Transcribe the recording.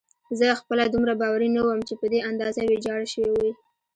زه خپله دومره باوري نه وم چې په دې اندازه ویجاړه شوې وي.